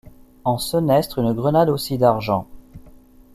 En senestre une grenade aussi d’argent.